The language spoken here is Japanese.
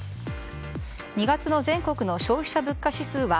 ２月の全国の消費者物価指数は